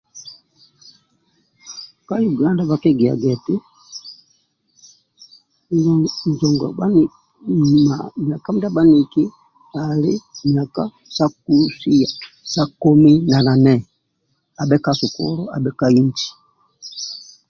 ka uganda bakigiyaga ngu myaka ndia baniki ali komi na nane abe ka inji abe ka sukulu